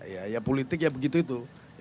ya ya politik ya begitu itu